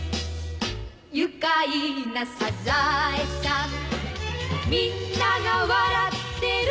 「愉快なサザエさん」「みんなが笑ってる」